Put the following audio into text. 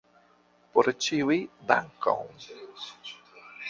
Por ĉiuj, dankon!